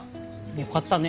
よかったね。